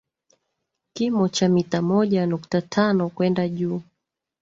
kimo cha mita moja nukta tano kwenda juu